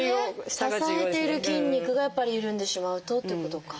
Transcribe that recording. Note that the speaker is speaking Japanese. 支えている筋肉がやっぱり緩んでしまうとってことか。